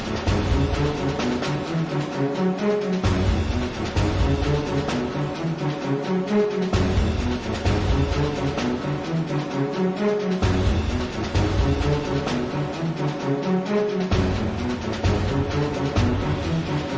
โปรดติดตามตอนต่อไป